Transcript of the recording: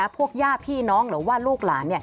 พวกย่าพี่น้องหรือว่าลูกหลาน